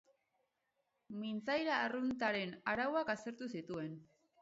Mintzaira arruntaren arauak aztertu zituen.